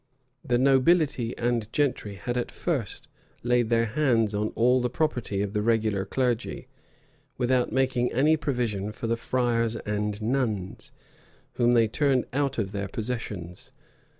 The nobility and gentry had at first laid their hands on all the property of the regular clergy, without making any provision for the friars and nuns, whom they turned out of their possessions.